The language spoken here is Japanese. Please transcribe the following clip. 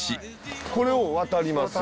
これを渡ります。